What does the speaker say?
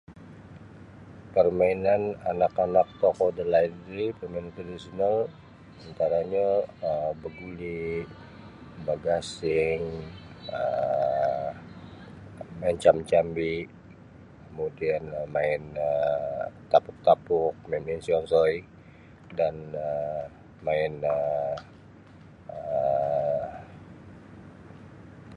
Permainan anak-anak tokou dalaid ri permainan tradisiunal antaranya um baguli, bagasing um main cambi-cambi kemudian um main um tapuk-tapuk, main misionsoi dan um main da um